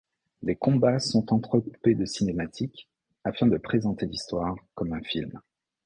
Les combats sont entrecoupés de cinématiques, afin de présenter l'histoire comme un film.